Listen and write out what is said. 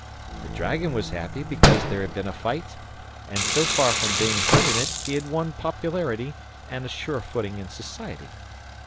The dragon was happy because there had been a fight, and so far from being hurt in it he had won popularity and a sure footing in society.